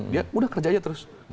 dia sudah kerja saja terus